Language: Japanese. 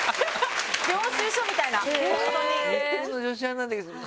領収書みたいな本当に。